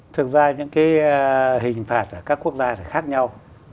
thực ra những cái hình phạt ở các quốc gia thì khác nhau